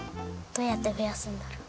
どうやってふやすんだろ？